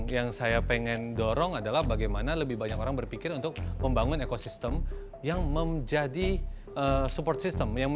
yang saya pengen dorong adalah bagaimana lebih banyak orang berpikir untuk membangun ekosistem yang menjadi support system